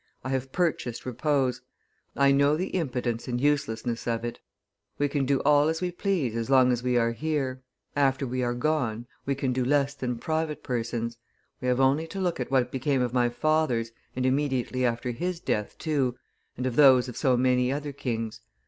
"I have purchased repose; I know the impotence and uselessness of it; we can do all we please as long as we are here; after we are gone, we can do less than private persons; we have only to look at what became of my father's, and immediately after his death too, and of those of so many other kings.